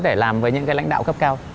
để làm với những cái lãnh đạo cấp cao